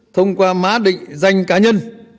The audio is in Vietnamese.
thông qua má định danh cá nhân